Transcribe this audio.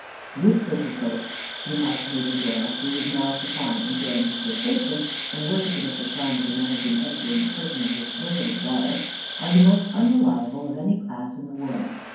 "Newspaper folk," remarked Major Doyle, who was now at the farm enjoying his vacation and worshipping at the shrine of the managing editor in the person of his versatile daughter, "are the most unreliable of any class in the world.